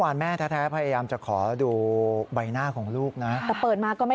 แม่แท้พยายามจะขอดูใบหน้าของลูกนะแต่เปิดมาก็ไม่